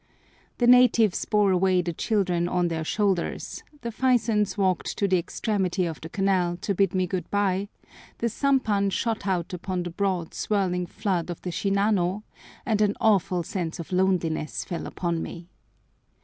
The natives bore away the children on their shoulders, the Fysons walked to the extremity of the canal to bid me good bye, the sampan shot out upon the broad, swirling flood of the Shinano, and an awful sense of loneliness fell upon me.